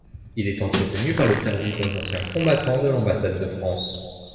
Il est entretenu par le Service des anciens combattants de l'ambassade de France.